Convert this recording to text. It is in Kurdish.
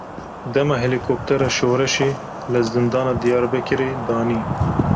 Dema helîkoptera şoreşê li Zindana Diyarbekirê danî.